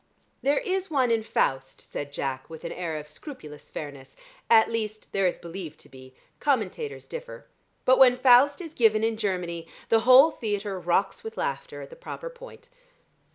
"There is one in Faust," said Jack with an air of scrupulous fairness. "At least there is believed to be: commentators differ. But when Faust is given in Germany, the whole theatre rocks with laughter at the proper point."